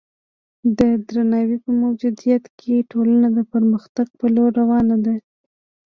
د درناوي په موجودیت کې ټولنه د پرمختګ په لور روانه ده.